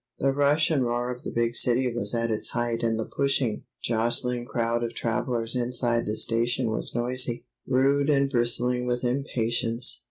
The rush and roar of the big city was at its height and the pushing, jostling crowd of travelers inside the station was noisy, rude and bristling with impatience.